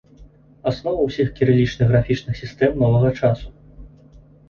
Аснова ўсіх кірылічных графічных сістэм новага часу.